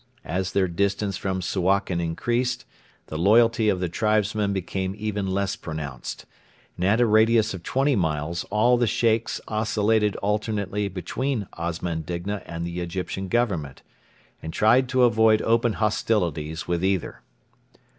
As their distance from Suakin increased, the loyalty of the tribesmen became even less pronounced, and at a radius of twenty miles all the Sheikhs oscillated alternately between Osman Digna and the Egyptian Government, and tried to avoid open hostilities with either.